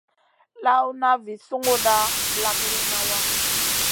Lawna vi sunguda ɓlak liyna wa.